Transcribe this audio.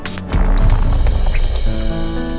baik kamu apa kabar